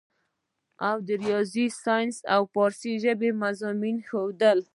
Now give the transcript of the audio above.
او د رياضي سائنس او فارسي ژبې مضامين ئې ښودل